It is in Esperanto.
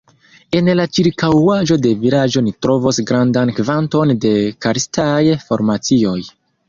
En la ĉirkaŭaĵo de vilaĝo ni trovos grandan kvanton de karstaj formacioj.